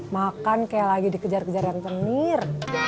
makan kayak lagi dikejar kejar yang tenir